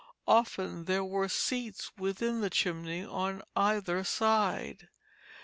Often there were seats within the chimney on either side.